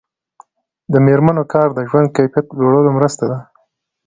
د میرمنو کار د ژوند کیفیت لوړولو مرسته ده.